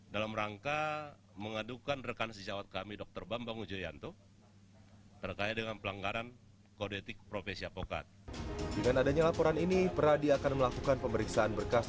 dengan adanya laporan ini peradi akan melakukan pemeriksaan berkas